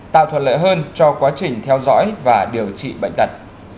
tạo thuận lợi hơn cho quá trình theo dõi và điều trị bệnh tật